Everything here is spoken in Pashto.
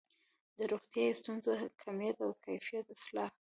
د روغتیايي ستونزو کمیت او کیفیت اصلاح کړي.